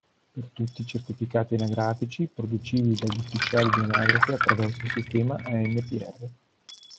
Per tutti i certificati anagrafici producibili dagli ufficiali di anagrafe attraverso il sistema ANPR.